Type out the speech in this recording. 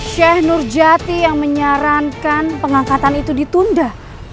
syeh nurjati yang menyarankan pengangkatan itu ditunda